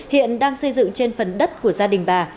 hiện đang xây dựng trên phần đất của gia đình bà